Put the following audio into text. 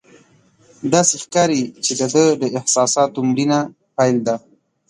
داسې ښکاري چې د ده د احساساتو مړینه پیل ده.